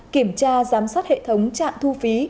kiểm tra giám sát hệ thống trạm thu phí